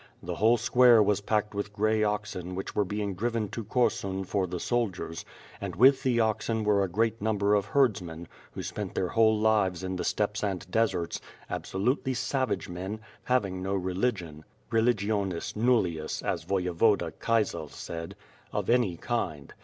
The whole square was packed with gray oxen which were being driven to Korsun for the soldiers, and with the oxen were a great number of herdsmen, who spent their whole lives in the steppes and deserts, absolutely savage men, having no religion {^'Religionis nullius^^ as Voyevoda Kiesel said) of any kind.